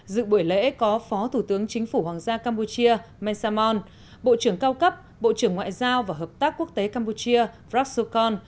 dự buổi lễ có phó thủ tướng chính phủ hoàng gia campuchia mesamon bộ trưởng cao cấp bộ trưởng ngoại giao và hợp tác quốc tế campuchia prasokon